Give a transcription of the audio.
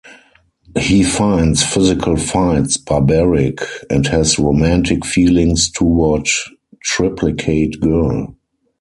He finds physical fights barbaric and has romantic feelings toward Triplicate Girl.